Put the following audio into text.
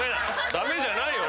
駄目じゃないよ！